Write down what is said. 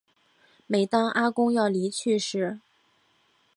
每当阿公要离去时